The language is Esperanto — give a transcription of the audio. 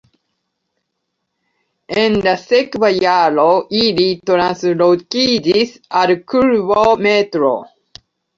En la sekva jaro ili translokiĝis al klubo Metro.